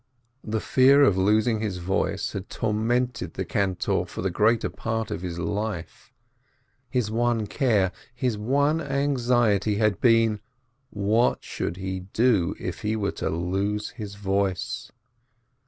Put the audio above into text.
The fear of losing his voice had tormented the cantor for the greater part of his life. His one care, his one anxiety had been, what should he do if he were to lose his voice?